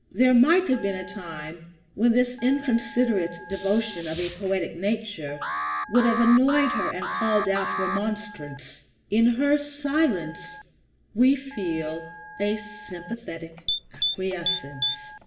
There might have been a time when this inconsiderate devotion of a poetic nature would have annoyed her and called out remonstrance. In her silence we feel a sympathetic acquiescence.